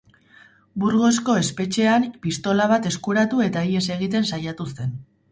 Burgosko espetxean pistola bat eskuratu eta ihes egiten saiatu zen.